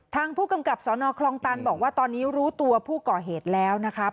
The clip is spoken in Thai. ทางผู้กำกับสนคลองตันบอกว่าตอนนี้รู้ตัวผู้ก่อเหตุแล้วนะคะ